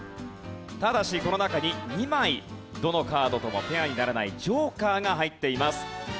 ただしこの中に２枚どのカードともペアにならないジョーカーが入っています。